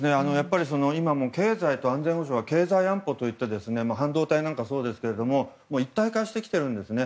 今、経済と安全保障が経済安保といって半導体なんかもそうですけど一体化してきてるんですね。